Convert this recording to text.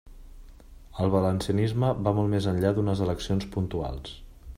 El valencianisme va molt més enllà d'unes eleccions puntuals.